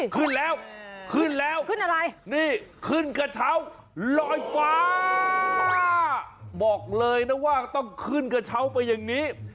ขึ้นแล้วขึ้นแล้วขึ้นอะไรนี่ขึ้นกระเช้าลอยฟ้าบอกเลยนะว่าต้องขึ้นกระเช้าไปอย่างนี้